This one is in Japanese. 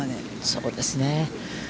そうですね。